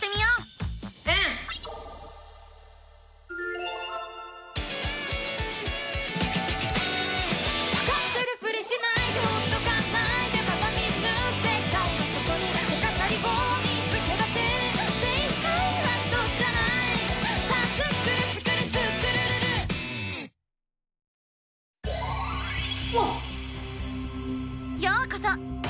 ようこそ！